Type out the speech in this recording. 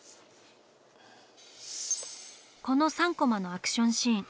この３コマのアクションシーン